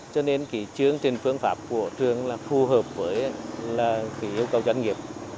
cho nên kỳ chướng trên phương pháp của trường là phù hợp với kỳ yêu cầu doanh nghiệp